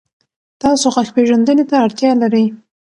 تاسو غږ پېژندنې ته اړتیا لرئ.